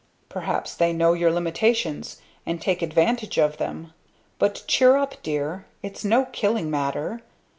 "Perhaps they know your limitations, and take advantage of them! But cheer up, dear. It's no killing matter.